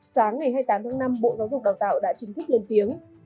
sáng ngày hai mươi tám tháng năm bộ giáo dục đào tạo đã chính thức lên tiếng